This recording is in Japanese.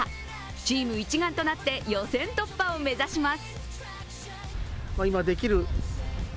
チーム一丸となって予選突破を目指します。